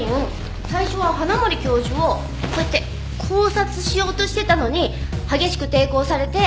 最初は花森教授をこうやって絞殺しようとしてたのに激しく抵抗されて。